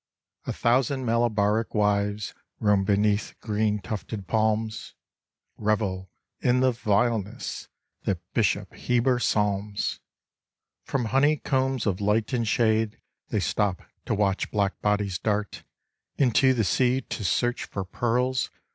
A thousand Malabaric wives Roam beneath green tufted palms; Revel in the vileness That Bishop Heber psalms. From honey combs of light and shade They stop to watch black bodies dart Into the sea to search for pearls.